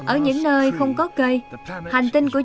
ở những nơi không có cây hành tinh của chúng ta sẽ không thể được tạo ra